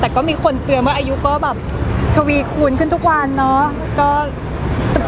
แต่ก็มีคนเตือนว่าอายุก็แบบชวีคูณขึ้นทุกวันเนาะ